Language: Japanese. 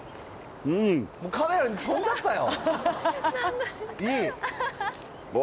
カメラに飛んじゃったよ。